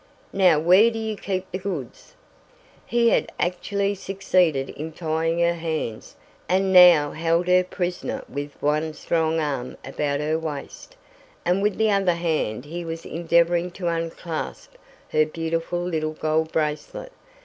Now where do you keep the goods?" He had actually succeeded in tying her hands and now held her prisoner with one strong arm about her waist, and with the other hand he was endeavoring to unclasp her beautiful little gold bracelet.